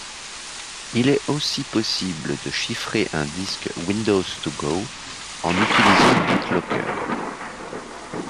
Il est aussi possible de chiffrer un disque Windows To Go en utilisant BitLocker.